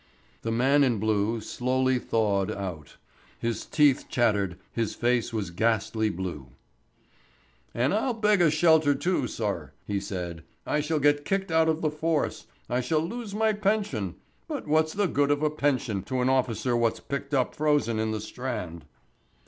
The man in blue slowly thawed out. His teeth chattered, his face was ghastly blue. "An' I'll beg a shelter too, sir," he said. "I shall get kicked out of the force. I shall lose my pension. But what's the good of a pension to an officer what's picked up frozen in the Strand?"